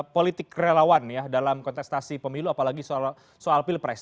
politik relawan ya dalam kontestasi pemilu apalagi soal pilpres